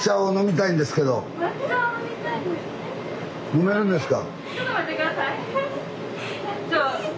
飲めるんですか？